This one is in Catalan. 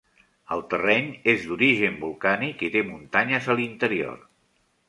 El terreny és d'origen volcànic i té muntanyes a l'interior.